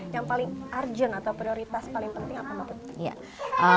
yang paling urgent atau prioritas paling penting apa mbak putri